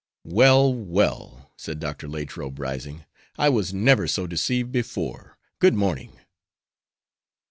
"Well, well," said Dr. Latrobe, rising, "I was never so deceived before. Good morning!"